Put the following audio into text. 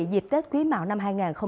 dịp tết quý mạo năm hai nghìn hai mươi